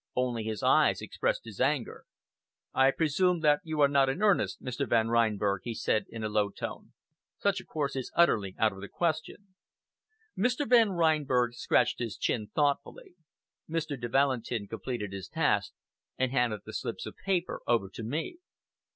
Only his eyes expressed his anger. "I presume that you are not in earnest, Mr. Van Reinberg," he said in a low tone. "Such a course is utterly out of the question." Mr. Van Reinberg scratched his chin thoughtfully. Mr. de Valentin completed his task, and handed the slips of paper over to me.